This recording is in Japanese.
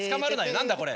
何だこれ。